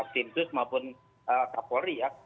tim sus maupun kak polri ya